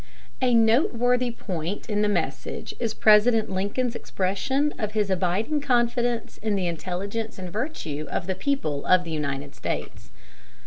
A noteworthy point in the message is President Lincoln's expression of his abiding confidence in the intelligence and virtue of the people of the United States.